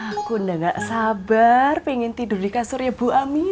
aku udah gak sabar pengen tidur di kasur ya bu ami